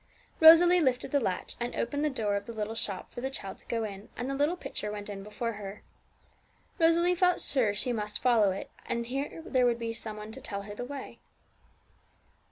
Rosalie lifted the latch and opened the door of the little shop for the child to go in. And the little pitcher went in before her. Rosalie felt sure she must follow it, and that here she would find some one to tell her the way.